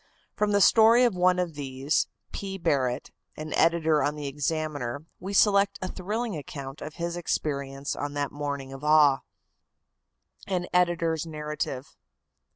From the story of one of these, P. Barrett, an editor on the Examiner, we select a thrilling account of his experience on that morning of awe. AN EDITOR'S NARRATIVE.